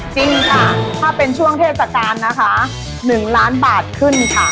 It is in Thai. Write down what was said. จริงค่ะถ้าเป็นช่วงเทศกาลนะคะ๑ล้านบาทขึ้นค่ะ